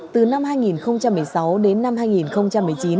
từ năm hai nghìn một mươi sáu đến năm hai nghìn một mươi chín